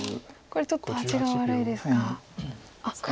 これちょっと味が悪いですか。